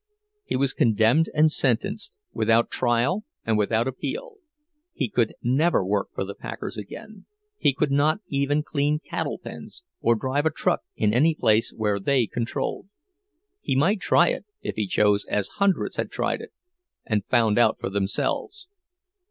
He was condemned and sentenced, without trial and without appeal; he could never work for the packers again—he could not even clean cattle pens or drive a truck in any place where they controlled. He might try it, if he chose, as hundreds had tried it, and found out for themselves.